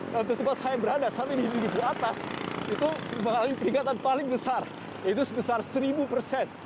dan untuk tempat saya berada saat ini di atas itu mengalami peningkatan paling besar yaitu sebesar seribu persen